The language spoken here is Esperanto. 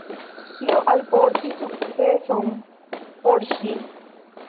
Tio alportis sukceson por ŝi.